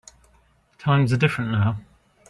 Times are different now.